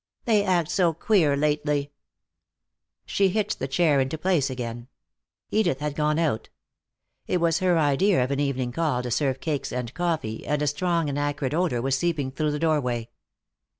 "They act so queer lately." She hitched the chair into place again. Edith had gone out. It was her idea of an evening call to serve cakes and coffee, and a strong and acrid odor was seeping through the doorway.